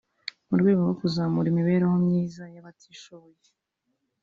mu rwego rwo kuzamura imibereho myiza y’abatishoboye